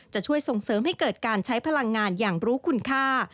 จะช่วยส่งเสริมให้เกิดการใช้พลังงานอย่างรู้คุณค่า